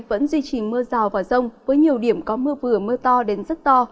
vẫn duy trì mưa rào và rông với nhiều điểm có mưa vừa mưa to đến rất to